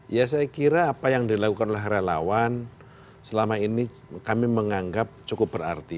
ya saya kira apa yang dilakukan oleh relawan selama ini kami menganggap cukup berarti